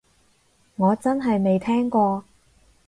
我真係未聽過